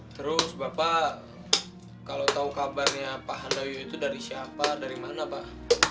terus bapak kalau tahu kabarnya pak handoyo itu dari siapa dari mana pak